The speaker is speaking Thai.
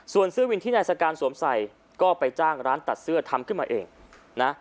ส่วนเสื้อวินที่นายสการสวมใส่ก็ไปจ้างร้านตัดเสื้อทำขึ้นมาเองนะ